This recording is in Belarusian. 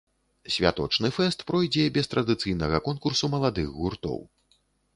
Святочны фэст пройдзе без традыцыйнага конкурсу маладых гуртоў.